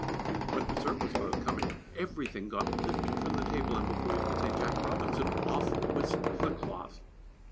When dessert was about coming, everything thing got lifted from the table, and before you could say "Jack Robinson" off whisked the cloth.